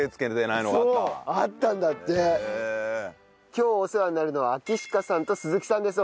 今日お世話になるのは秋鹿さんと鈴木さんです。